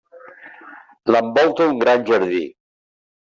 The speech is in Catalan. L'envolta un gran jardí.